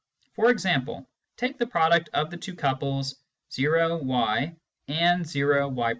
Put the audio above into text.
For example, take the product of the two couples (o, y) and (o, y').